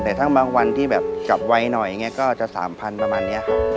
แต่ถ้างบางวันที่แบบกลับไวหน่อยก็จะ๓๐๐๐บาทประมาณนี้ครับ